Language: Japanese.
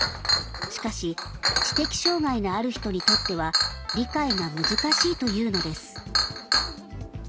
しかし知的障害のある人にとっては理解が難しいというのです。